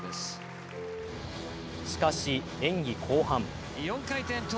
しかし、演技後半。